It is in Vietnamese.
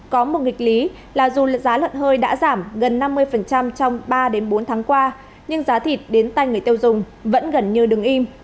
có một nghịch lý là dù giá lợn hơi đã giảm gần năm mươi trong ba bốn tháng qua nhưng giá thịt đến tay người tiêu dùng vẫn gần như đứng im